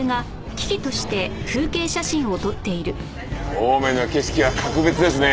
青梅の景色は格別ですね。